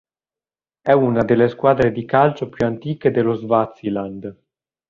È una delle squadre di calcio più antiche dello Swaziland.